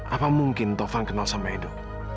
apa mungkin taufan kenal sama itu